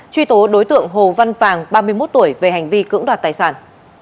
truy tố đối tượng hồ văn vàng ba mươi một tuổi về hành vi cưỡng đoạt tài sản